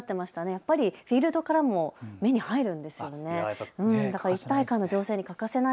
やっぱりフィールドからも目に入るものですからね。